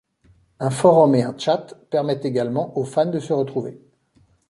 Un forum et un chat permettent également aux fans de se retrouver.